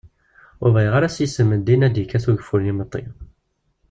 Ur bɣiɣ ara s yisem n ddin ad d-ikkat ugeffur n yimeṭṭi.